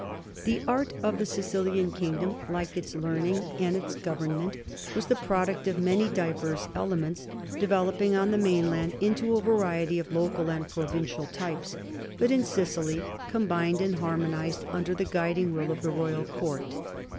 The art of the Sicilian kingdom, like its learning and THE NORMAN KINGDOM OF SICILY 241 its government, was the product of many diverse ele ments, developing on the mainland into a variety of local and provincial types, but in Sicily combined and harmonized under the guiding will of the royal court.